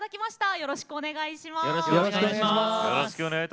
よろしくお願いします。